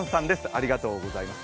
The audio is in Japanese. ありがとうございます。